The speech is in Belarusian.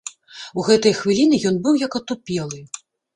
У гэтыя хвіліны ён быў як атупелы.